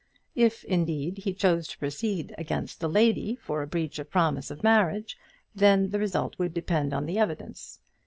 If indeed he chose to proceed against the lady for a breach of promise of marriage, then the result would depend on the evidence.